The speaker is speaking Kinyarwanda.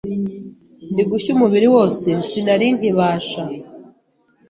ndi gushya umubiri wose, sinari nkibasha